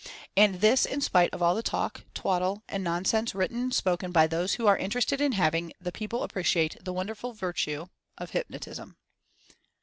And this in spite of all the talk, twaddle and nonsense written and spoken by those who are inter ested in having the people appreciate "the wonderful virtue (?) of Hypnotism."